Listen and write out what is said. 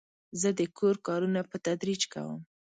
زه د کور کارونه په تدریج کوم.